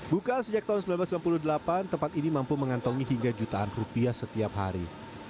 buka sejak tahun seribu sembilan ratus sembilan puluh delapan tempat ini mampu mengantongi hingga jutaan rupiah setiap hari